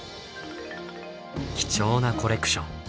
貴重なコレクション。